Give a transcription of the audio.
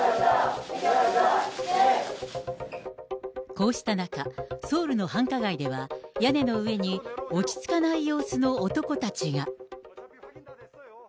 こうした中、ソウルの繁華街では屋根の上に、落ち着かない様子の男たちが。